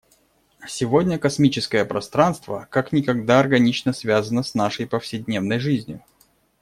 Сегодня космическое пространство как никогда органично связано с нашей повседневной жизнью.